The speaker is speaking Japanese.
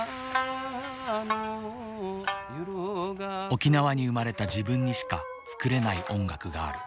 沖縄に生まれた自分にしか作れない音楽がある。